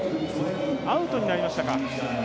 アウトになりましたか。